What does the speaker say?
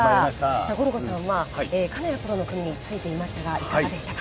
ゴルゴさんは、金谷プロの組についていましたが、いかがでしたか。